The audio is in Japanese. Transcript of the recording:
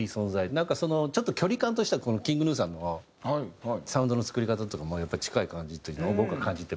なんかそのちょっと距離感としてはＫｉｎｇＧｎｕさんのサウンドの作り方とかもやっぱり近い感じというのを僕は感じてまして。